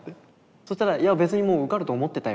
そしたら「いや別にもう受かると思ってたよ」